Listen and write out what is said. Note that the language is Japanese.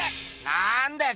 なぁんだよ！